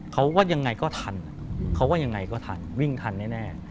เขาว่ายังไงก็ทันวิ่งทันแน่